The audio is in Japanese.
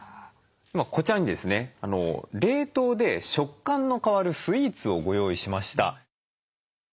こちらにですね冷凍で食感の変わるスイーツをご用意しました。